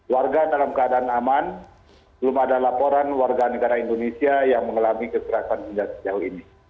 warga dalam keadaan aman belum ada laporan warga negara indonesia yang mengalami kekerasan hingga sejauh ini